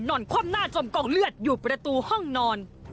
คว่ำหน้าจมกองเลือดอยู่ประตูห้องนอน